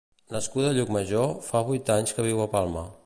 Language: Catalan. Nascuda a Llucmajor, fa vint anys que viu a Palma.